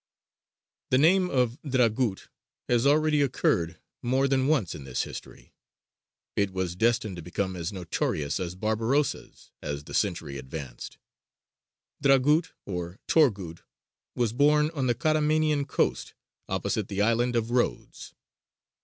The name of Dragut has already occurred more than once in this history: it was destined to become as notorious as Barbarossa's as the century advanced. Dragut or Torghūd was born on the Caramanian coast opposite the island of Rhodes.